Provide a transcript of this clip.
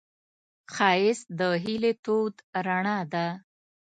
ښایست د هیلې تود رڼا ده